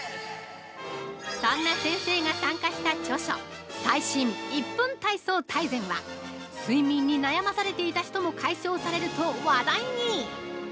そんな先生が参加した著書「最新１分体操大全」は睡眠に悩まされていた人も解消されると、話題に。